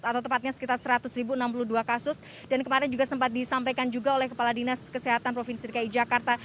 atau tepatnya sekitar seratus enam puluh dua kasus dan kemarin juga sempat disampaikan juga oleh kepala dinas kesehatan provinsi dki jakarta